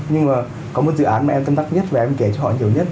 nhưng mà có một dự án mà em tâm tác nhất và em kể cho họ nhiều nhất